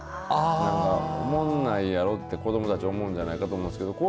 おもんないやろって子どもたち思うんやないかと思いますけど。